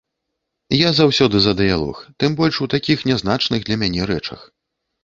Я заўсёды за дыялог, тым больш у такіх нязначных для мяне рэчах.